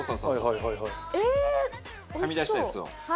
はみ出したやつを。